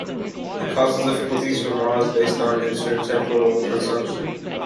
It causes difficulties for models based on intertemporal consumption.